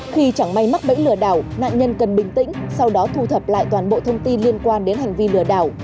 khi chẳng may mắc bẫy lừa đảo nạn nhân cần bình tĩnh sau đó thu thập lại toàn bộ thông tin liên quan đến hành vi lừa đảo